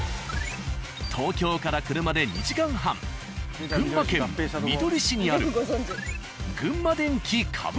東京から車で２時間半群馬県みどり市にある。